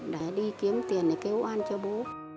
để đi kiếm tiền để kêu an cho bố